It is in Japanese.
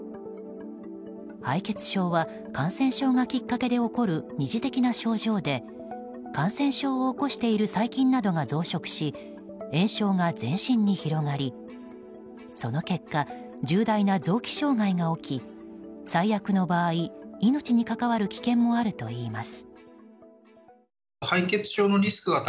敗血症は感染症がきっかけで起こる二次的な症状で感染症を起こしている細菌などが増殖し炎症が全身に広がりその結果、重大な臓器障害が起き最悪の場合、命に関わる危険もあるといいます。